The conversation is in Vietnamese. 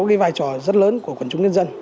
có cái vai trò rất lớn của quân chúng nhân dân